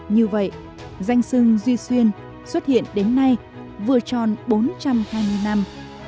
như vậy danh sưng duy xuyên xuất hiện đến nay vừa tròn bốn trăm hai mươi năm